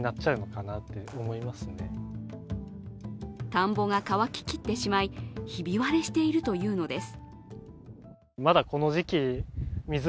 田んぼが乾ききってしまい、ひび割れしているというのです。